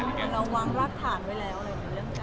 แล้ววางรากฐานไว้แล้วในเรื่องการเงินอะไรอย่างนั้น